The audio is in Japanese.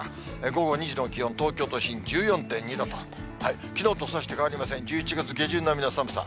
午後２時の気温、東京都心１４．２度と、きのうとさして変わりません、１１月下旬並みの寒さ。